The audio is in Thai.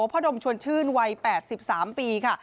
พ่อดมชวนชื่นวัย๘๓ปี